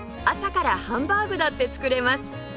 朝からハンバーグだって作れます